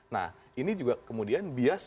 nah ini juga kemudian bias